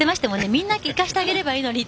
みんな行かせてあげればいいのにって。